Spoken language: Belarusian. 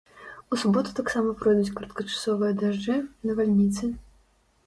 У суботу таксама пройдуць кароткачасовыя дажджы, навальніцы.